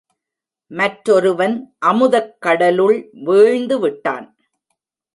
மற்றொருவன் அமுதக் கடலுள் வீழ்ந்துவிட்டான்.